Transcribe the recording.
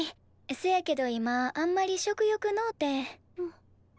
そやけど今あんまり食欲のうて。